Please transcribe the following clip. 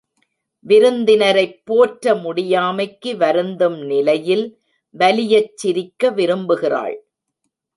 விருந்தினரைப் போற்ற முடியாமைக்கு வருந்தும் நிலையில் வலியச் சிரிக்க விரும்புகிறாள்.